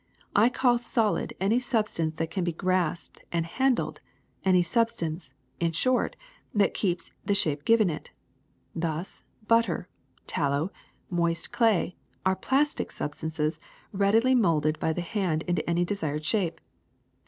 I call solid any substance that can be grasped and handled, any substance, in short, that keeps the shape given it. Thus butter, tallow, moist clay, are plastic substances readily molded by the hand into any desired shape.